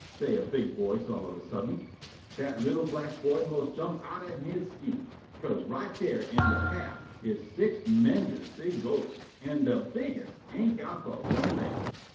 _" say' a big voice all on a suddent. Dat li'l' black boy 'most jump' outen he skin, 'ca'se right dar in de paff is six 'mendjus big ghostes an' de bigges' ain't got but one leg.